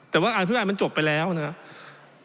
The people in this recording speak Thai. แต่ว่าอภิมัติมันจบไปแล้วนะครับ